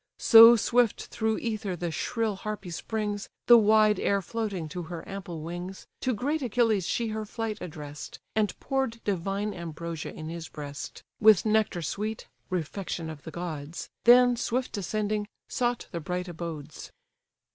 So swift through ether the shrill harpy springs, The wide air floating to her ample wings, To great Achilles she her flight address'd, And pour'd divine ambrosia in his breast, With nectar sweet, (refection of the gods!) Then, swift ascending, sought the bright abodes.